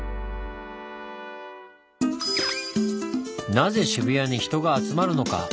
なぜ渋谷に人が集まるのか？